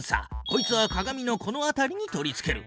こいつは鏡のこの辺りに取り付ける。